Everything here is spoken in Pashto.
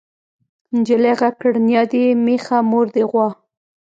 نجلۍ غږ کړ نيا دې مېښه مور دې غوا.